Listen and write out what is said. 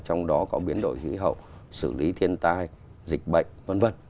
trong đó có biến đổi khí hậu xử lý thiên tai dịch bệnh v v